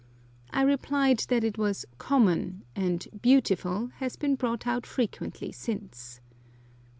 I replied that it was "common," and "beautiful" has been brought out frequently since.